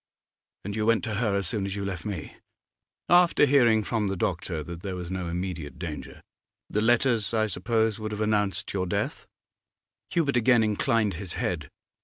'And you went to her as soon as you left me?' 'After hearing from the doctor that there was no immediate danger. The letters, I suppose, would have announced your death?' Hubert again inclined his head.